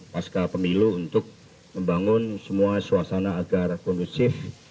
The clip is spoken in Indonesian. pasca pemilu untuk membangun semua suasana agar kondusif